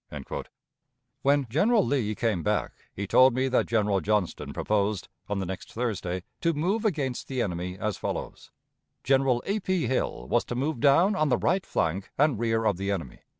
When General Lee came back, he told me that General Johnston proposed, on the next Thursday, to move against the enemy as follows: General. A. P. Hill was to move down on the right flank and rear of the enemy.